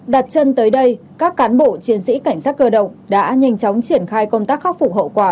đặt chân tới đây các cán bộ chiến sĩ cảnh sát cơ động đã nhanh chóng triển khai công tác khắc phục hậu quả